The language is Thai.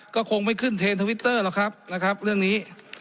ก็คงไม่ขึ้นเทรนดทวิตเตอร์หรอกครับนะครับเรื่องนี้